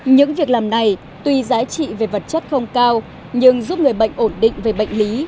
những việc làm này tuy giá trị về vật chất không cao nhưng giúp người bệnh ổn định về bệnh lý